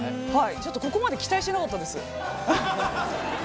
ちょっとここまで期待してなかったです。